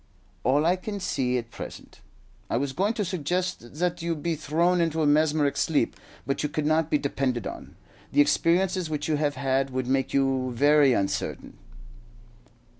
"All I can see at present. I was going to suggest that you be thrown into a mesmeric sleep; but you could not be depended on. The experiences which you have had would make you very uncertain."